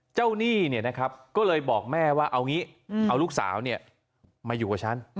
เจ้านี่ก็เลยบอกแม่ว่าเอาลูกสาวมาอยู่กับฉัน